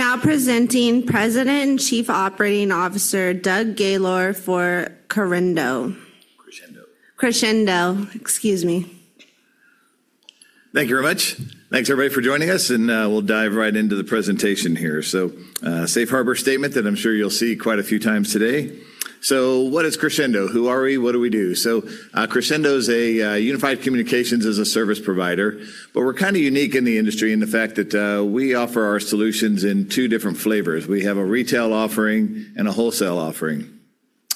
Now presenting President and Chief Operating Officer Doug Gaylor for Crexendo. Crexendo. Crexendo, excuse me. Thank you very much. Thanks, everybody, for joining us, and we'll dive right into the presentation here. A safe harbor statement that I'm sure you'll see quite a few times today. What is Crexendo? Who are we? What do we do? Crexendo is a unified communication as a service provider, but we're kind of unique in the industry in the fact that we offer our solutions in two different flavors. We have a retail offering and a wholesale offering.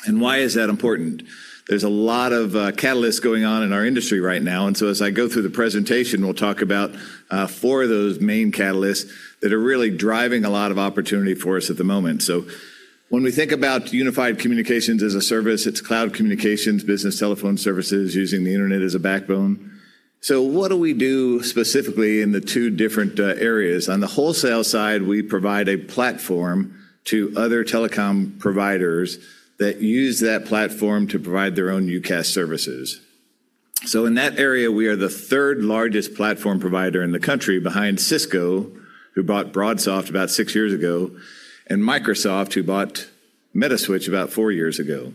Why is that important? There's a lot of catalysts going on in our industry right now, and as I go through the presentation, we'll talk about four of those main catalysts that are really driving a lot of opportunity for us at the moment. When we think about unified communication as a service, it's cloud communications, business telephone services using the internet as a backbone. What do we do specifically in the two different areas? On the wholesale side, we provide a platform to other telecom providers that use that platform to provide their own UCaaS services. In that area, we are the third-largest platform provider in the country, behind Cisco, who bought Broadsoft about six years ago, and Microsoft, who bought Metaswitch about four years ago.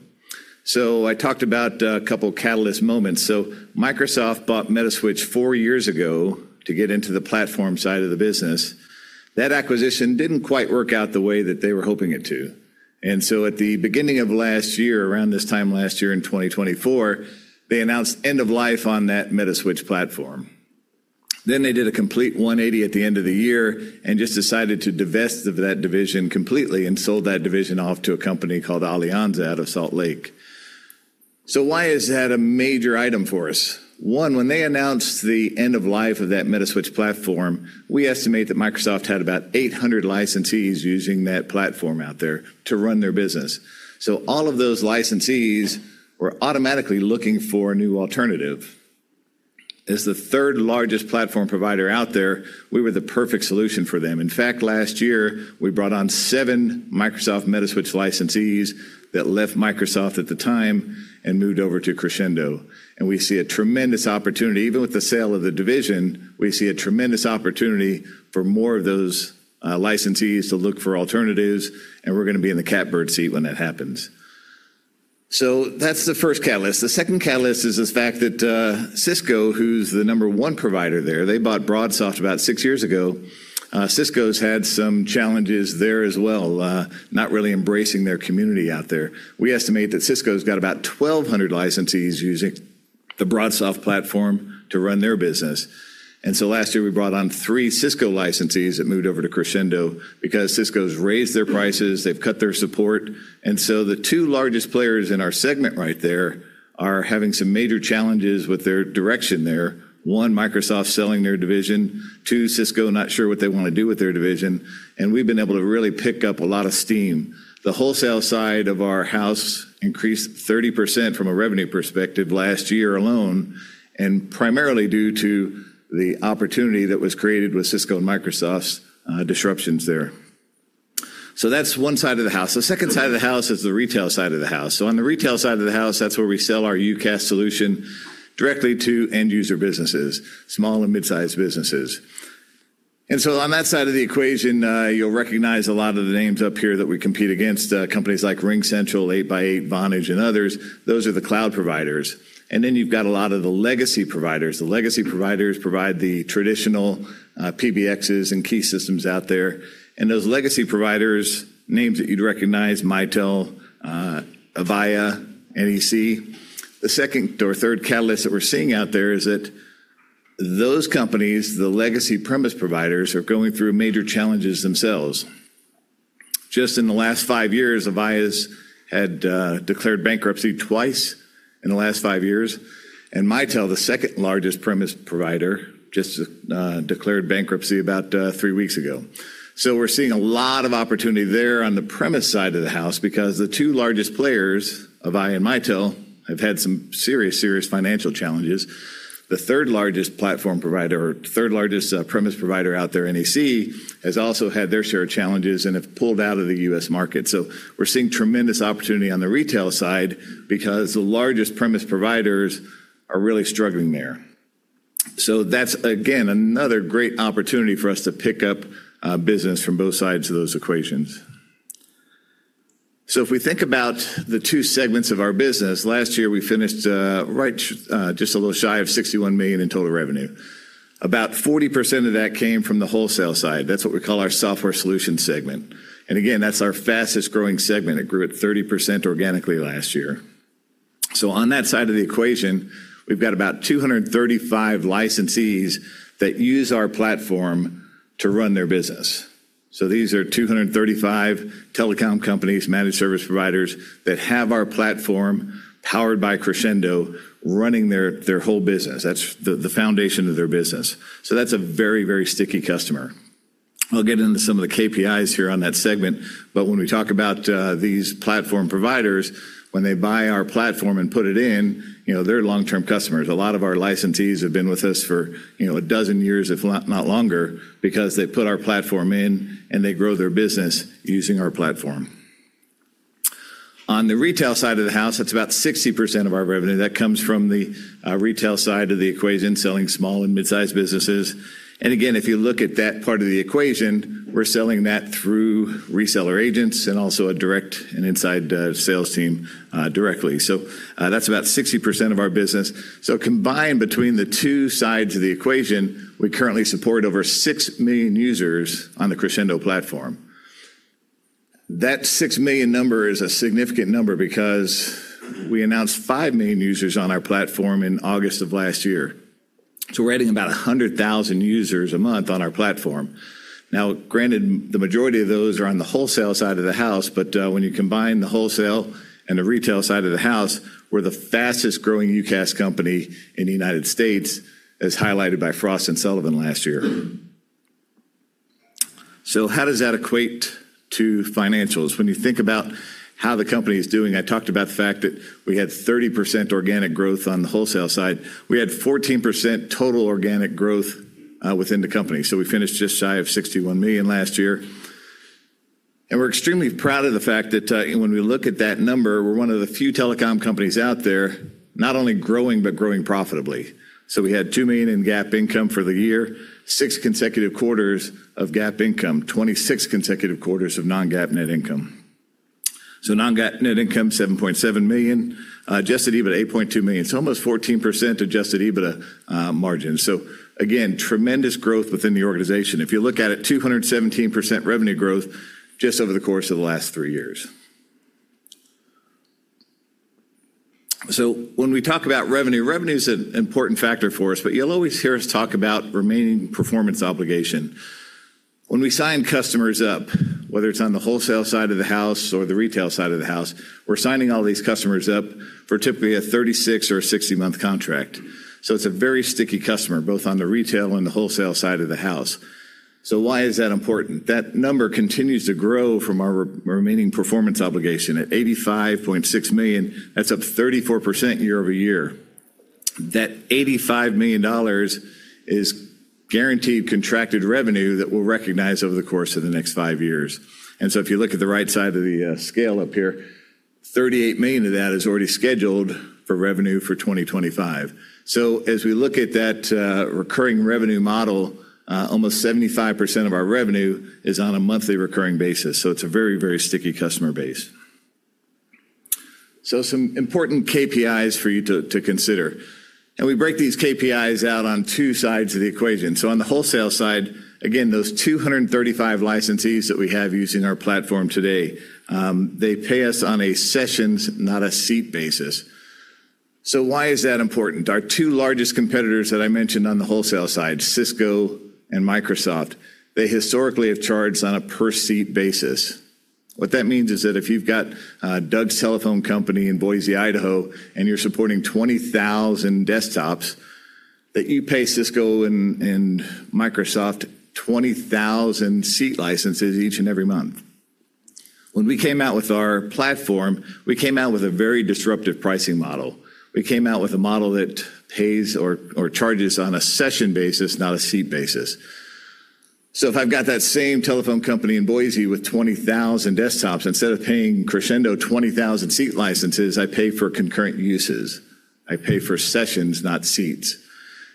I talked about a couple of catalyst moments. Microsoft bought Metaswitch four years ago to get into the platform side of the business. That acquisition did not quite work out the way that they were hoping it to. At the beginning of last year, around this time last year in 2024, they announced end of life on that Metaswitch platform. They did a complete 180 at the end of the year and just decided to divest of that division completely and sold that division off to a company called Alianza out of Salt Lake. Why is that a major item for us? One, when they announced the end of life of that Metaswitch platform, we estimate that Microsoft had about 800 licensees using that platform out there to run their business. All of those licensees were automatically looking for a new alternative. As the third-largest platform provider out there, we were the perfect solution for them. In fact, last year, we brought on seven Microsoft Metaswitch licensees that left Microsoft at the time and moved over to Crexendo. We see a tremendous opportunity. Even with the sale of the division, we see a tremendous opportunity for more of those licensees to look for alternatives, and we're going to be in the catbird seat when that happens. That's the first catalyst. The second catalyst is the fact that Cisco, who's the number one provider there, they bought Broadsoft about six years ago. Cisco's had some challenges there as well, not really embracing their community out there. We estimate that Cisco's got about 1,200 licensees using the Broadsoft platform to run their business. Last year, we brought on three Cisco licensees that moved over to Crexendo because Cisco's raised their prices, they've cut their support, and the two largest players in our segment right there are having some major challenges with their direction there. One, Microsoft's selling their division. Two, Cisco's not sure what they want to do with their division, and we've been able to really pick up a lot of steam. The wholesale side of our house increased 30% from a revenue perspective last year alone, and primarily due to the opportunity that was created with Cisco and Microsoft's disruptions there. That's one side of the house. The second side of the house is the retail side of the house. On the retail side of the house, that's where we sell our UCaaS solution directly to end-user businesses, small and mid-sized businesses. On that side of the equation, you'll recognize a lot of the names up here that we compete against, companies like RingCentral, 8x8, Vonage, and others. Those are the cloud providers. Then you've got a lot of the legacy providers. The legacy providers provide the traditional PBXs and key systems out there. Those legacy providers, names that you'd recognize: Mitel, Avaya, NEC. The second or third catalyst that we're seeing out there is that those companies, the legacy premise providers, are going through major challenges themselves. Just in the last five years, Avaya has declared bankruptcy twice in the last five years, and Mitel, the second-largest premise provider, just declared bankruptcy about three weeks ago. We're seeing a lot of opportunity there on the premise side of the house because the two largest players, Avaya and Mitel, have had some serious, serious financial challenges. The third-largest platform provider, or third-largest premise provider out there, NEC, has also had their share of challenges and have pulled out of the U.S. market. We're seeing tremendous opportunity on the retail side because the largest premise providers are really struggling there. That's, again, another great opportunity for us to pick up business from both sides of those equations. If we think about the two segments of our business, last year we finished right just a little shy of $61 million in total revenue. About 40% of that came from the wholesale side. That's what we call our software solution segment. Again, that's our fastest-growing segment. It grew at 30% organically last year. On that side of the equation, we've got about 235 licensees that use our platform to run their business. These are 235 telecom companies, managed service providers, that have our platform powered by Crexendo running their whole business. That's the foundation of their business. That's a very, very sticky customer. I'll get into some of the KPIs here on that segment, but when we talk about these platform providers, when they buy our platform and put it in, you know, they're long-term customers. A lot of our licensees have been with us for, you know, a dozen years, if not longer, because they put our platform in and they grow their business using our platform. On the retail side of the house, that's about 60% of our revenue. That comes from the retail side of the equation, selling small and mid-sized businesses. Again, if you look at that part of the equation, we're selling that through reseller agents and also a direct and inside sales team directly. That's about 60% of our business. Combined between the two sides of the equation, we currently support over 6 million users on the Crexendo platform. That 6 million number is a significant number because we announced 5 million users on our platform in August of last year. We're adding about 100,000 users a month on our platform. Now, granted, the majority of those are on the wholesale side of the house, but when you combine the wholesale and the retail side of the house, we're the fastest-growing UCaaS company in the United States, as highlighted by Frost and Sullivan last year. How does that equate to financials? When you think about how the company is doing, I talked about the fact that we had 30% organic growth on the wholesale side. We had 14% total organic growth within the company. We finished just shy of $61 million last year. We're extremely proud of the fact that when we look at that number, we're one of the few telecom companies out there not only growing but growing profitably. We had $2 million in GAAP income for the year, six consecutive quarters of GAAP income, 26 consecutive quarters of non-GAAP net income. Non-GAAP net income, $7.7 million, adjusted EBITDA $8.2 million. Almost 14% adjusted EBITDA margin. Again, tremendous growth within the organization. If you look at it, 217% revenue growth just over the course of the last three years. When we talk about revenue, revenue's an important factor for us, but you'll always hear us talk about remaining performance obligation. When we sign customers up, whether it's on the wholesale side of the house or the retail side of the house, we're signing all these customers up for typically a 36- or a 60-month contract. It's a very sticky customer, both on the retail and the wholesale side of the house. Why is that important? That number continues to grow from our remaining performance obligation at $85.6 million. That's up 34% year over year. That $85 million is guaranteed contracted revenue that we'll recognize over the course of the next five years. If you look at the right side of the scale up here, $38 million of that is already scheduled for revenue for 2025. As we look at that recurring revenue model, almost 75% of our revenue is on a monthly recurring basis. It's a very, very sticky customer base. Some important KPIs for you to consider. We break these KPIs out on two sides of the equation. On the wholesale side, again, those 235 licensees that we have using our platform today, they pay us on a sessions, not a seat basis. Why is that important? Our two largest competitors that I mentioned on the wholesale side, Cisco and Microsoft, they historically have charged on a per-seat basis. What that means is that if you've got Doug's Telephone Company in Boise, Idaho, and you're supporting 20,000 desktops, you pay Cisco and Microsoft 20,000 seat licenses each and every month. When we came out with our platform, we came out with a very disruptive pricing model. We came out with a model that pays or charges on a session basis, not a seat basis. If I've got that same telephone company in Boise with 20,000 desktops, instead of paying Crexendo 20,000 seat licenses, I pay for concurrent uses. I pay for sessions, not seats.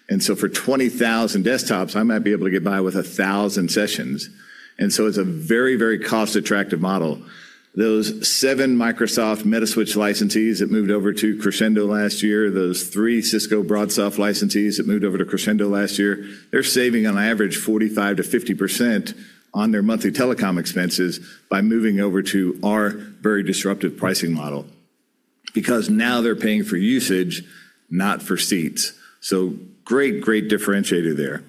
For 20,000 desktops, I might be able to get by with 1,000 sessions. It is a very, very cost-attractive model. Those seven Microsoft Metaswitch licensees that moved over to Crexendo last year, those three Cisco Broadsoft licensees that moved over to Crexendo last year, they're saving on average 45%-50% on their monthly telecom expenses by moving over to our very disruptive pricing model because now they're paying for usage, not for seats. Great, great differentiator there.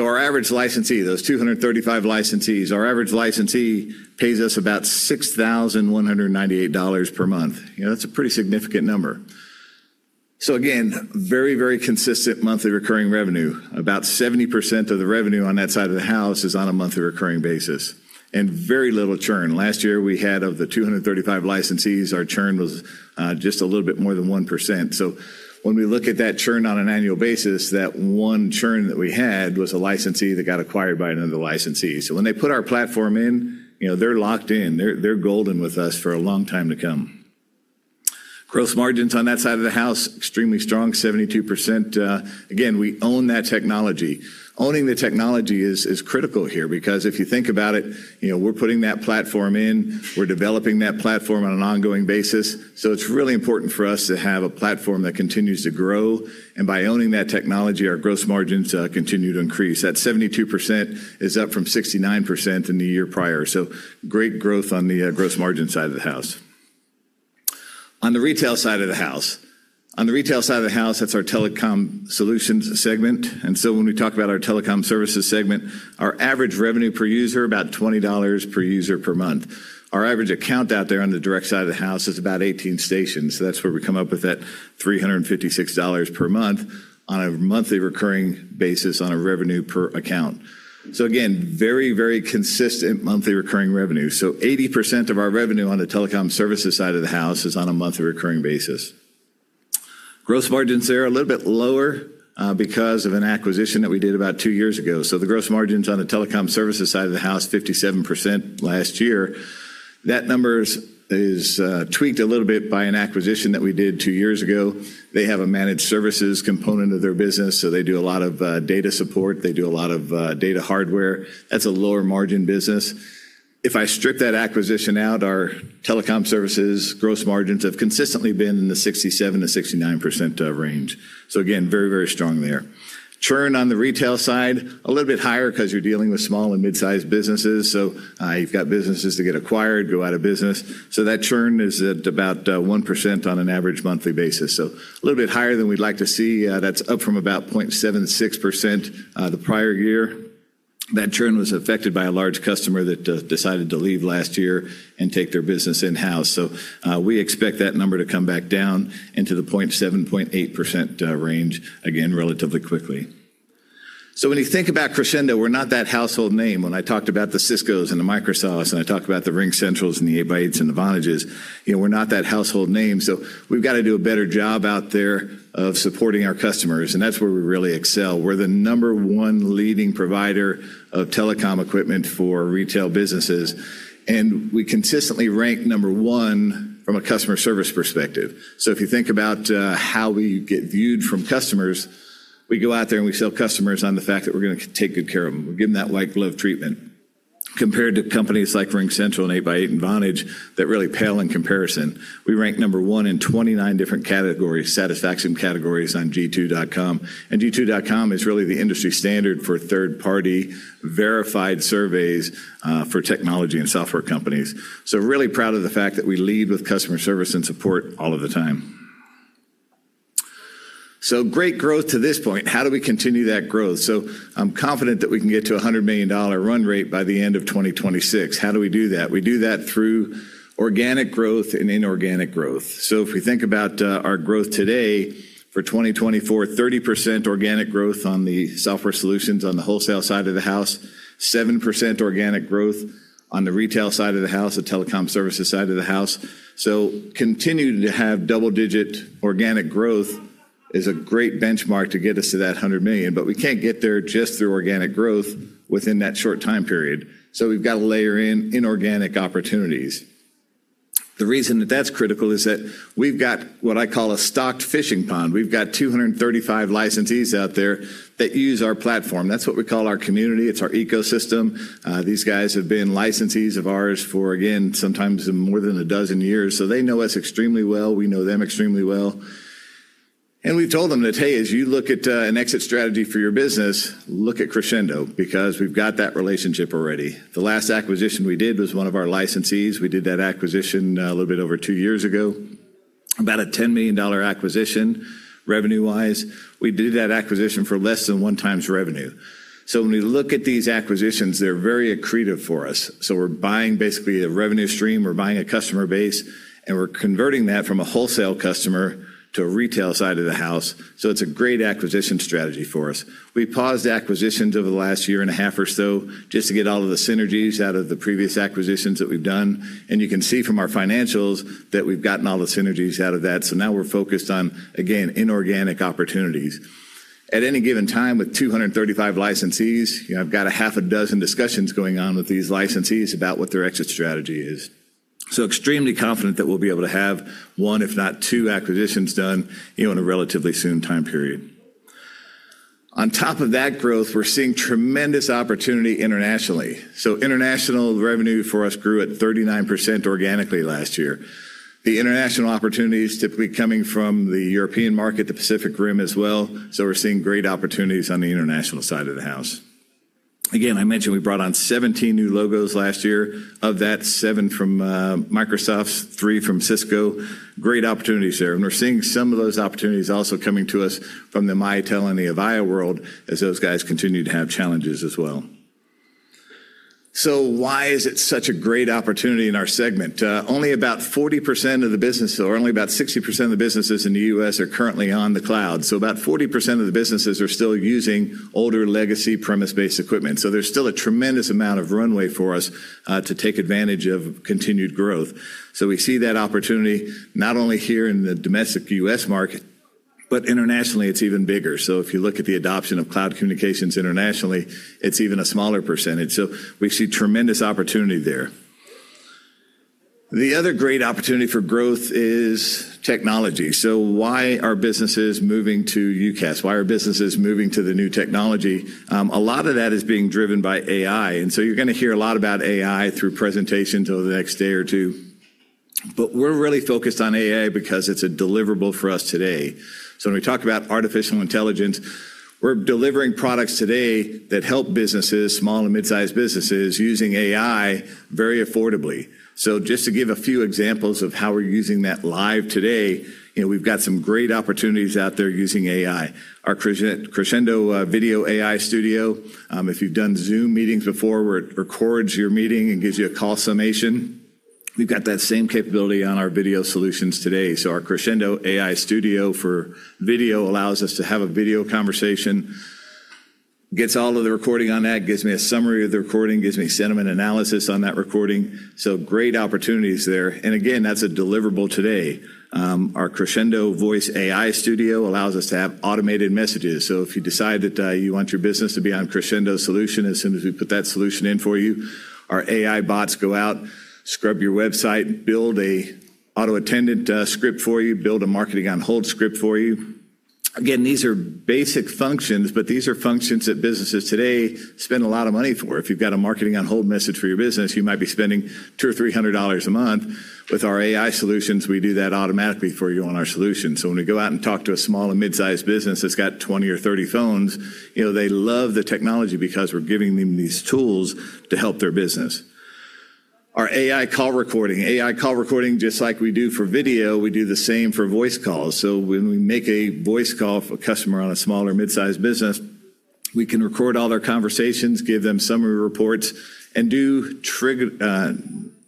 Our average licensee, those 235 licensees, our average licensee pays us about $6,198 per month. You know, that's a pretty significant number. Again, very, very consistent monthly recurring revenue. About 70% of the revenue on that side of the house is on a monthly recurring basis. Very little churn. Last year, we had, of the 235 licensees, our churn was just a little bit more than 1%. When we look at that churn on an annual basis, that one churn that we had was a licensee that got acquired by another licensee. When they put our platform in, you know, they're locked in. They're golden with us for a long time to come. Gross margins on that side of the house, extremely strong, 72%. Again, we own that technology. Owning the technology is critical here because if you think about it, you know, we're putting that platform in, we're developing that platform on an ongoing basis. It's really important for us to have a platform that continues to grow. By owning that technology, our gross margins continue to increase. That 72% is up from 69% in the year prior. Great growth on the gross margin side of the house. On the retail side of the house, that's our telecom solutions segment. When we talk about our telecom services segment, our average revenue per user, about $20 per user per month. Our average account out there on the direct side of the house is about 18 stations. That's where we come up with that $356 per month on a monthly recurring basis on a revenue per account. Again, very, very consistent monthly recurring revenue. 80% of our revenue on the telecom services side of the house is on a monthly recurring basis. Gross margins there are a little bit lower because of an acquisition that we did about two years ago. The gross margins on the telecom services side of the house, 57% last year. That number is tweaked a little bit by an acquisition that we did two years ago. They have a managed services component of their business, so they do a lot of data support. They do a lot of data hardware. That's a lower margin business. If I strip that acquisition out, our telecom services gross margins have consistently been in the 67%-69% range. Again, very, very strong there. Churn on the retail side, a little bit higher because you're dealing with small and mid-sized businesses. You've got businesses that get acquired, go out of business. That churn is at about 1% on an average monthly basis. A little bit higher than we'd like to see. That's up from about 0.76% the prior year. That churn was affected by a large customer that decided to leave last year and take their business in-house. We expect that number to come back down into the 0.7-0.8% range again relatively quickly. When you think about Crexendo, we're not that household name. When I talked about the Ciscos and the Microsofts, and I talked about the RingCentrals and the 8x8s and the Vonages, you know, we're not that household name. We've got to do a better job out there of supporting our customers. That's where we really excel. We're the number one leading provider of telecom equipment for retail businesses. We consistently rank number one from a customer service perspective. If you think about how we get viewed from customers, we go out there and we sell customers on the fact that we're going to take good care of them. We give them that white glove treatment. Compared to companies like RingCentral and 8x8 and Vonage, that really pale in comparison. We rank number one in 29 different categories, satisfaction categories on G2.com. G2.com is really the industry standard for third-party verified surveys for technology and software companies. Really proud of the fact that we lead with customer service and support all of the time. Great growth to this point. How do we continue that growth? I'm confident that we can get to a $100 million run rate by the end of 2026. How do we do that? We do that through organic growth and inorganic growth. If we think about our growth today for 2024, 30% organic growth on the software solutions on the wholesale side of the house, 7% organic growth on the retail side of the house, the telecom services side of the house. Continuing to have double-digit organic growth is a great benchmark to get us to that $100 million. We can't get there just through organic growth within that short time period. We've got to layer in inorganic opportunities. The reason that that's critical is that we've got what I call a stocked fishing pond. We've got 235 licensees out there that use our platform. That's what we call our community. It's our ecosystem. These guys have been licensees of ours for, again, sometimes more than a dozen years. They know us extremely well. We know them extremely well. We've told them that, hey, as you look at an exit strategy for your business, look at Crexendo because we've got that relationship already. The last acquisition we did was one of our licensees. We did that acquisition a little bit over two years ago, about a $10 million acquisition revenue-wise. We did that acquisition for less than one time's revenue. When we look at these acquisitions, they're very accretive for us. We're buying basically a revenue stream. We're buying a customer base, and we're converting that from a wholesale customer to a retail side of the house. It's a great acquisition strategy for us. We paused acquisitions over the last year and a half or so just to get all of the synergies out of the previous acquisitions that we've done. You can see from our financials that we've gotten all the synergies out of that. Now we're focused on, again, inorganic opportunities. At any given time, with 235 licensees, you know, I've got a half a dozen discussions going on with these licensees about what their exit strategy is. So, extremely confident that we'll be able to have one, if not two acquisitions done, you know, in a relatively soon time period. On top of that growth, we're seeing tremendous opportunity internationally. So, international revenue for us grew at 39% organically last year. The international opportunities typically coming from the European market, the Pacific Rim as well. So, we're seeing great opportunities on the international side of the house. Again, I mentioned we brought on 17 new logos last year. Of that, seven from Microsoft, three from Cisco. Great opportunities there. And we're seeing some of those opportunities also coming to us from the Mitel and the Avaya world as those guys continue to have challenges as well. Why is it such a great opportunity in our segment? Only about 40% of the business, or only about 60% of the businesses in the U.S. are currently on the cloud. About 40% of the businesses are still using older legacy premise-based equipment. There is still a tremendous amount of runway for us to take advantage of continued growth. We see that opportunity not only here in the domestic U.S. market, but internationally, it is even bigger. If you look at the adoption of cloud communications internationally, it is even a smaller percentage. We see tremendous opportunity there. The other great opportunity for growth is technology. Why are businesses moving to UCaaS? Why are businesses moving to the new technology? A lot of that is being driven by AI. You're going to hear a lot about AI through presentations over the next day or two. We're really focused on AI because it's a deliverable for us today. When we talk about artificial intelligence, we're delivering products today that help businesses, small and mid-sized businesses, using AI very affordably. Just to give a few examples of how we're using that live today, you know, we've got some great opportunities out there using AI. Our Crexendo Video AI Studio, if you've done Zoom meetings before, where it records your meeting and gives you a call summation, we've got that same capability on our video solutions today. Our Crexendo Video AI Studio allows us to have a video conversation, gets all of the recording on that, gives me a summary of the recording, gives me sentiment analysis on that recording. Great opportunities there. That's a deliverable today. Our Crexendo Voice AI Studio allows us to have automated messages. If you decide that you want your business to be on Crexendo Solution, as soon as we put that solution in for you, our AI bots go out, scrub your website, build an auto attendant script for you, build a marketing on hold script for you. These are basic functions, but these are functions that businesses today spend a lot of money for. If you've got a marketing on hold message for your business, you might be spending $200 or $300 a month. With our AI solutions, we do that automatically for you on our solutions. When we go out and talk to a small and mid-sized business that's got 20 or 30 phones, you know, they love the technology because we're giving them these tools to help their business. Our AI call recording, AI call recording, just like we do for video, we do the same for voice calls. When we make a voice call for a customer on a small or mid-sized business, we can record all their conversations, give them summary reports, and do triggered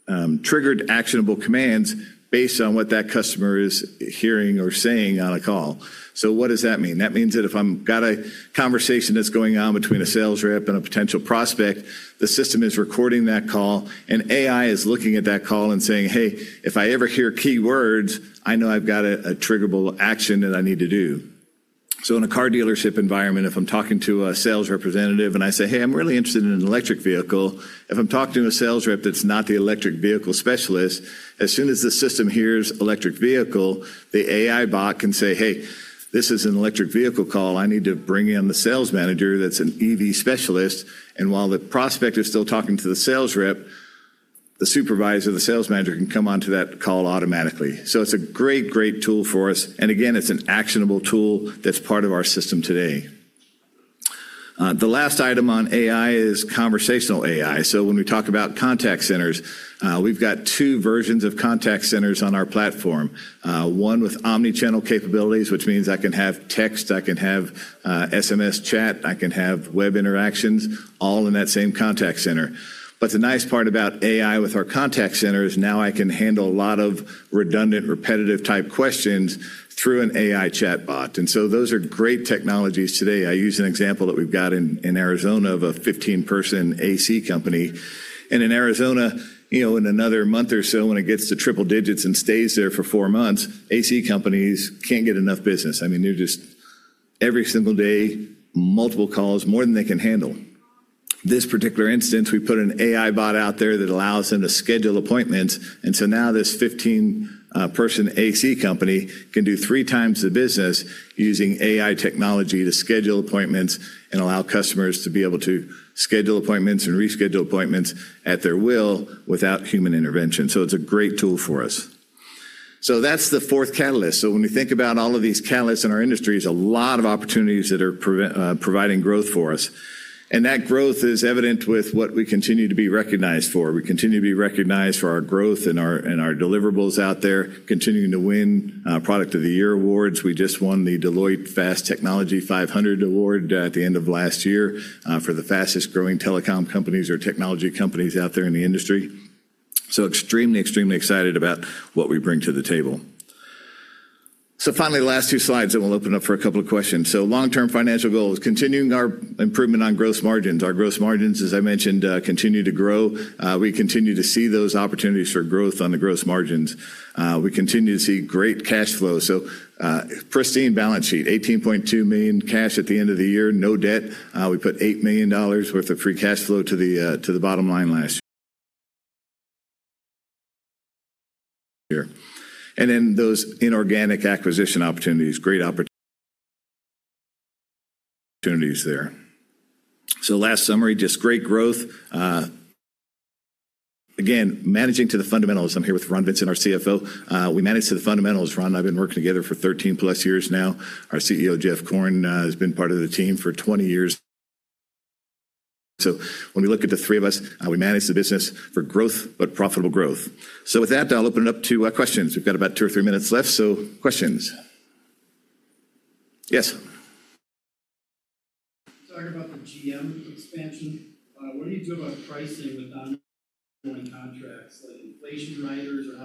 actionable commands based on what that customer is hearing or saying on a call. What does that mean? That means that if I've got a conversation that's going on between a sales rep and a potential prospect, the system is recording that call, and AI is looking at that call and saying, "Hey, if I ever hear key words, I know I've got a triggerable action that I need to do." In a car dealership environment, if I'm talking to a sales representative and I say, "Hey, I'm really interested in an electric vehicle," if I'm talking to a sales rep that's not the electric vehicle specialist, as soon as the system hears electric vehicle, the AI bot can say, "Hey, this is an electric vehicle call. I need to bring in the sales manager that's an EV specialist." While the prospect is still talking to the sales rep, the supervisor, the sales manager can come on to that call automatically. It is a great, great tool for us. Again, it is an actionable tool that is part of our system today. The last item on AI is conversational AI. When we talk about contact centers, we have two versions of contact centers on our platform. One with omnichannel capabilities, which means I can have text, I can have SMS chat, I can have web interactions, all in that same contact center. The nice part about AI with our contact center is now I can handle a lot of redundant, repetitive type questions through an AI chatbot. Those are great technologies today. I use an example that we have in Arizona of a 15-person AC company. In Arizona, you know, in another month or so, when it gets to triple digits and stays there for four months, AC companies cannot get enough business. I mean, they're just every single day, multiple calls, more than they can handle. This particular instance, we put an AI bot out there that allows them to schedule appointments. Now this 15-person AC company can do three times the business using AI technology to schedule appointments and allow customers to be able to schedule appointments and reschedule appointments at their will without human intervention. It's a great tool for us. That's the fourth catalyst. When we think about all of these catalysts in our industry, there's a lot of opportunities that are providing growth for us. That growth is evident with what we continue to be recognized for. We continue to be recognized for our growth and our deliverables out there, continuing to win Product of the Year awards. We just won the Deloitte Fast Technology 500 award at the end of last year for the fastest growing telecom companies or technology companies out there in the industry. Extremely, extremely excited about what we bring to the table. Finally, the last two slides and we'll open up for a couple of questions. Long-term financial goals, continuing our improvement on gross margins. Our gross margins, as I mentioned, continue to grow. We continue to see those opportunities for growth on the gross margins. We continue to see great cash flow. Pristine balance sheet, $18.2 million cash at the end of the year, no debt. We put $8 million worth of free cash flow to the bottom line last year. Those inorganic acquisition opportunities, great opportunities there. Last summary, just great growth. Again, managing to the fundamentals. I'm here with Ron Vincent, our CFO. We manage to the fundamentals. Ron, I've been working together for 13 plus years now. Our CEO, Jeff Korn, has been part of the team for 20 years. When we look at the three of us, we manage the business for growth, but profitable growth. With that, I'll open it up to questions. We've got about two or three minutes left. Questions. Yes. Talk about the GM expansion. What do you do about pricing with non-only contracts? Like inflation riders or how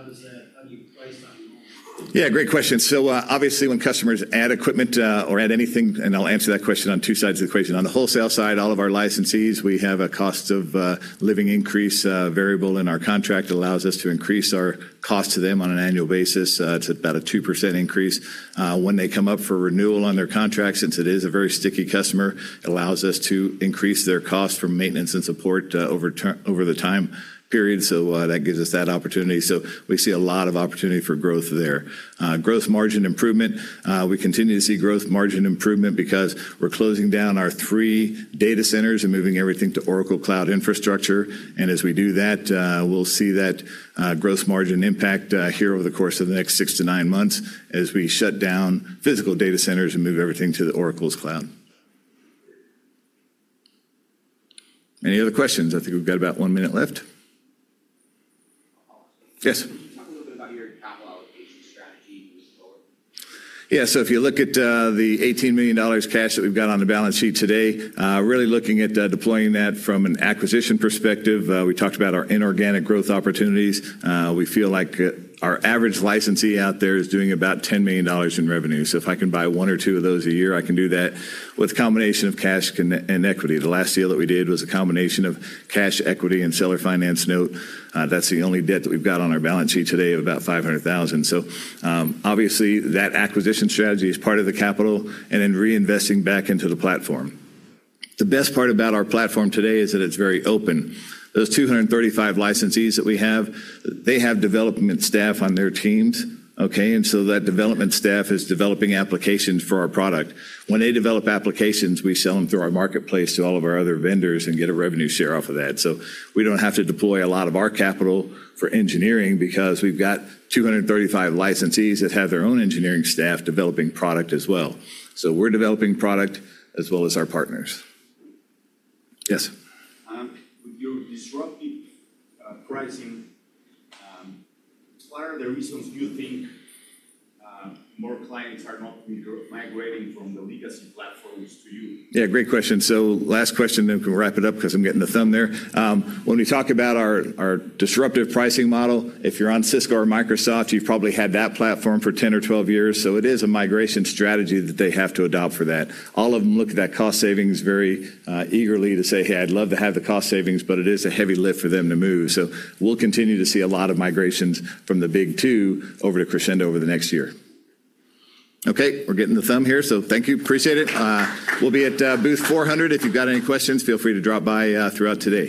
does that, how do you price on your own? Yeah, great question. Obviously when customers add equipment or add anything, and I'll answer that question on two sides of the equation. On the wholesale side, all of our licensees, we have a cost of living increase variable in our contract that allows us to increase our cost to them on an annual basis. It's about a 2% increase. When they come up for renewal on their contracts, since it is a very sticky customer, it allows us to increase their cost for maintenance and support over the time period. That gives us that opportunity. We see a lot of opportunity for growth there. Growth margin improvement. We continue to see growth margin improvement because we're closing down our three data centers and moving everything to Oracle Cloud Infrastructure. As we do that, we'll see that growth margin impact here over the course of the next six to nine months as we shut down physical data centers and move everything to Oracle's cloud. Any other questions? I think we've got about one minute left. Yes. Talk a little bit about your capital allocation strategy moving forward. Yeah, so if you look at the $18 million cash that we've got on the balance sheet today, really looking at deploying that from an acquisition perspective, we talked about our inorganic growth opportunities. We feel like our average licensee out there is doing about $10 million in revenue. So, if I can buy one or two of those a year, I can do that with a combination of cash and equity. The last deal that we did was a combination of cash, equity, and seller finance note. That's the only debt that we've got on our balance sheet today of about $500,000. Obviously that acquisition strategy is part of the capital and then reinvesting back into the platform. The best part about our platform today is that it's very open. Those 235 licensees that we have, they have development staff on their teams, okay? That development staff is developing applications for our product. When they develop applications, we sell them through our marketplace to all of our other vendors and get a revenue share off of that. We do not have to deploy a lot of our capital for engineering because we have 235 licensees that have their own engineering staff developing product as well. We are developing product as well as our partners. Yes. With your disruptive pricing, what are the reasons you think more clients are not migrating from the legacy platforms to you? Great question. Last question, then we can wrap it up because I am getting the thumb there. When we talk about our disruptive pricing model, if you are on Cisco or Microsoft, you have probably had that platform for 10 or 12 years. It is a migration strategy that they have to adopt for that. All of them look at that cost savings very eagerly to say, "Hey, I'd love to have the cost savings," but it is a heavy lift for them to move. We will continue to see a lot of migrations from the big two over to Crexendo over the next year. Okay, we're getting the thumb here. Thank you, appreciate it. We will be at booth 400. If you've got any questions, feel free to drop by throughout today.